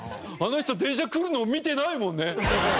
あの人電車来るのを見てないもんね。